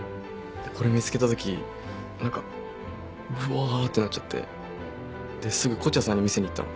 でこれ見つけた時何かうわってなっちゃってですぐ東風谷さんに見せにいったの。